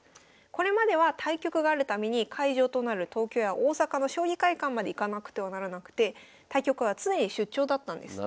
これまでは対局がある度に会場となる東京や大阪の将棋会館まで行かなくてはならなくて対局は常に出張だったんです。